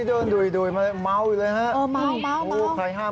เดินดุยมาเม้าท์อยู่เลยฮะ